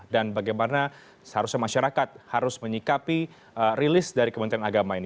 dan bagaimana seharusnya masyarakat harus menyikapi rilis dari kementerian agama ini